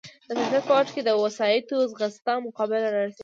د سیاست په واټ کې د وسایطو ځغاستې مقابله را رسېدلې.